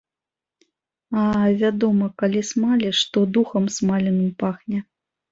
А, вядома, калі смаліш, то духам смаленым пахне.